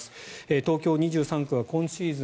東京２３区、今シーズン